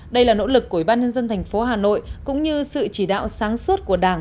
đây là nỗ lực của ủy ban nhân dân thành phố hà nội cũng như sự chỉ đạo sáng suốt của đảng